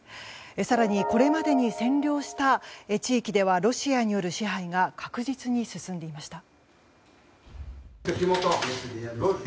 更にこれまでに占領した地域ではロシアによる支配が確実に進んでいました。